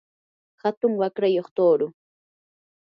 atun waqrayuq tuuru.